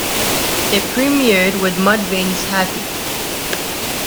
It premiered with Mudvayne's Happy?